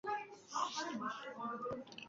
কোন জ্ঞানই বাহির হইতে আসে না, সবই ভিতরে।